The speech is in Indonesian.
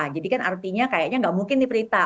jadi kan artinya kayaknya nggak mungkin nih prita